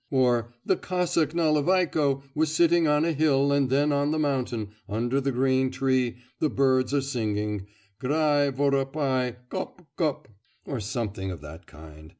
or "the Cossack Nalivaiko was sitting on a hill and then on the mountain, under the green tree the birds are singing, grae, voropae, gop, gop!" or something of that kind.